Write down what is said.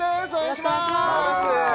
よろしくお願いします